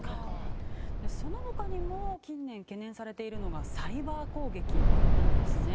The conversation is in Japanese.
その他にも近年懸念されているのがサイバー攻撃なんですね。